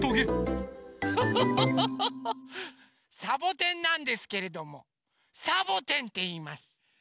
サボテンなんですけれどもサボてんっていいます。